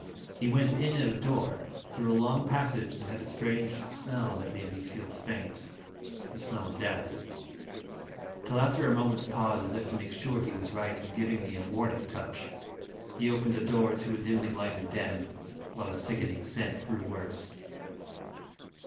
He went in at a door through a long passage that had a strange smell that made me feel faint, a smell of death till, after a moment's pause, as if to make sure he was right, and giving me a warning touch, he opened a door into a dimly lighted den, while the sickening scent grew worse.